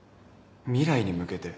未来に向けて？